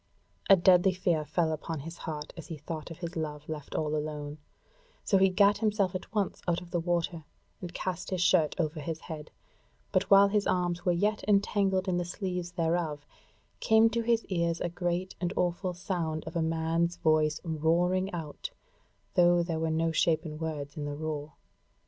A deadly fear fell upon his heart as he thought of his love left all alone; so he gat him at once out of the water and cast his shirt over his head; but while his arms were yet entangled in the sleeves thereof, came to his ears a great and awful sound of a man's voice roaring out, though there were no shapen words in the roar.